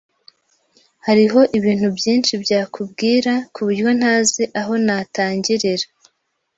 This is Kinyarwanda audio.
Hariho ibintu byinshi byakubwira kuburyo ntazi aho natangirira.